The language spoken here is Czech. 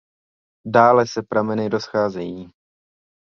Dále se prameny rozcházejí.